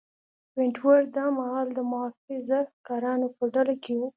ونټ ورت دا مهال د محافظه کارانو په ډله کې و.